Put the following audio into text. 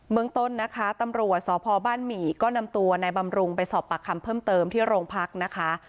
เมืองต้นนะคะตำรวจสพบ้านหมี่ก็นำตัวนายบำรุงไปสอบปากคำเพิ่มเติมที่โรงพักนะคะ